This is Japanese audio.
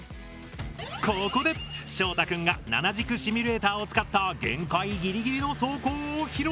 ここでしょうたくんが７軸シミュレーターを使った限界ギリギリの走行を披露！